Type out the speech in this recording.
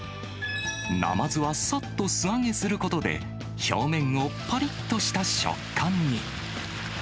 ナマズはさっと素揚げすることで、表面をぱりっとした食感に。